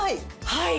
はい！